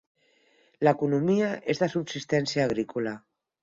L'economia és de subsistència agrícola.